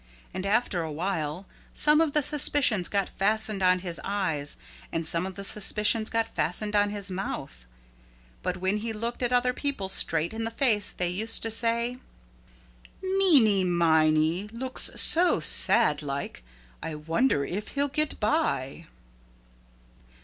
And after a while some of the suspicions got fastened on his eyes and some of the suspicions got fastened on his mouth. So when he looked at other people straight in the face they used to say, "Meeny Miney looks so sad like I wonder if he'll get by."